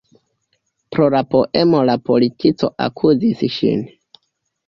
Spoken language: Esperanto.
Pro la poemo la polico akuzis ŝin.